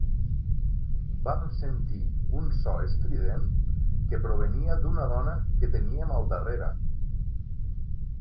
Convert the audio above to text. Vam sentir un so estrident que provenia d'una dona que teníem al darrere.